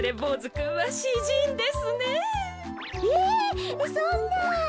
えそんなぁ。